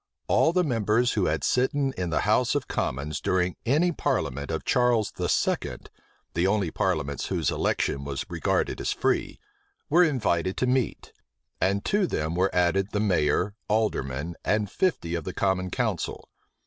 All the members who had sitten in the house of commons during any parliament of Charles II., (the only parliaments whose election was regarded as free,) were invited to meet; and to them were added the mayor, aldermen, and fifty of the common council.